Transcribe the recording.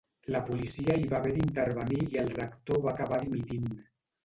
La policia hi va haver d'intervenir i el rector va acabar dimitint.